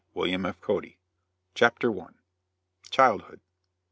WILLIAM F. CODY CHAPTER I. CHILDHOOD.